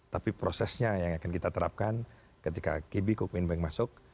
tapi prosesnya yang akan kita terapkan ketika kb cokmin bank masuk